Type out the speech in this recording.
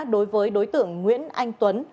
đối với đối tượng nguyễn anh tuấn